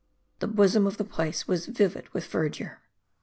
The bosom of the place was vivid with verdure.